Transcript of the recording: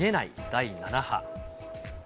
第７波。